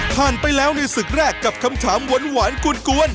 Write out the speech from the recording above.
ผ่านไปแล้วในศึกแรกกับคำถามหวานหวานกุ่นกลัวน